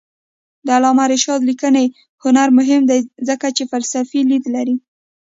د علامه رشاد لیکنی هنر مهم دی ځکه چې فلسفي لید لري.